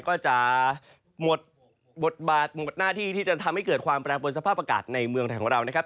ก็จะหมดบทบาทหมดหน้าที่ที่จะทำให้เกิดความแปรปนสภาพอากาศในเมืองไทยของเรานะครับ